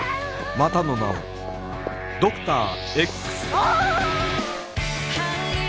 またの名をドクター Ｘ